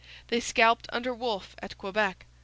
They scalped under Wolfe at Quebec.